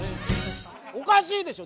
おかしいでしょ。